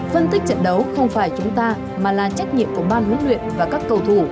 phân tích trận đấu không phải chúng ta mà là trách nhiệm của ban huấn luyện và các cầu thủ